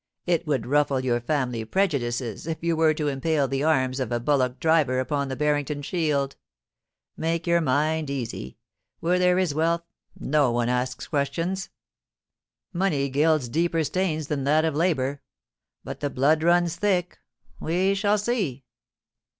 It would ruffle your family prejudices if you were to impale the arms of a bullock driver upon the Barrington shield. Make your mind easy. Where there is wealth, no one asks questions. i68 POLICY AND PASSION. Money gilds deeper stains than that of labour. But the blood runs thick. We shall see.'